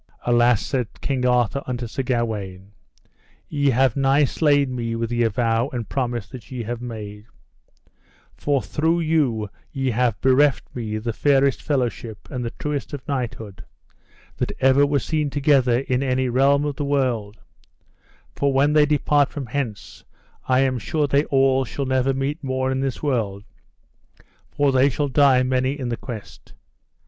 Alas, said King Arthur unto Sir Gawaine, ye have nigh slain me with the avow and promise that ye have made; for through you ye have bereft me the fairest fellowship and the truest of knighthood that ever were seen together in any realm of the world; for when they depart from hence I am sure they all shall never meet more in this world, for they shall die many in the quest.